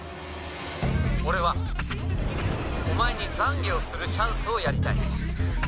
俺はお前に懺悔をするチャンスをやりたい。